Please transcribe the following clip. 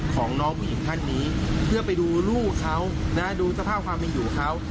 ของน้องผู้หญิงท่านนี้เพื่อไปดูลูกเขานะดูสภาพความเป็นอยู่เขา